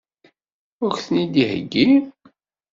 Ad k-ten-id-iheggi?